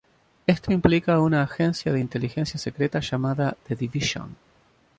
Esto implica una agencia de inteligencia secreta llamada "The Division".